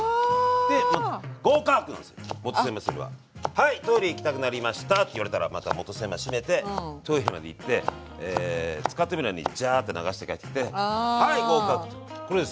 「はいトイレ行きたくなりました」って言われたらまた元栓まで閉めてトイレまで行って使ってもいないのにジャーッて流して帰ってきてはい合格！っていうこれです。